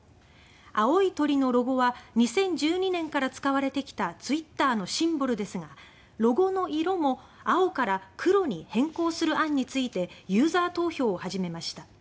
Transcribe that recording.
青い鳥のロゴは２０１２年から使われてきたツイッターのシンボルですがロゴの色も青から黒に変更する案についてユーザー投票を始めました。